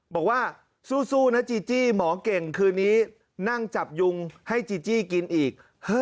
บอกว่าสู้นะจีจี้หมอเก่งคืนนี้นั่งจับยุงให้จีจี้กินอีก